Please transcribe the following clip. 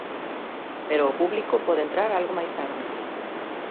Pero o público pode entrar algo máis tarde.